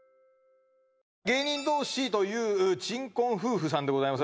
芸人同士という珍婚夫婦さんでございます